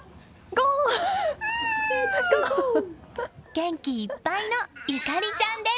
元気いっぱいの紫ちゃんです。